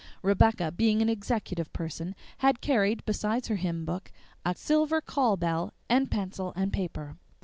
Rebecca, being an executive person, had carried, besides her hymn book, a silver call bell and pencil and paper.